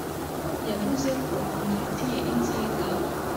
yavuze ko amufitiye inzika